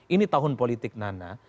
ini tahun politik nana